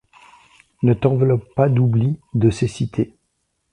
Ne t’enveloppe pas d’oubli, de cécité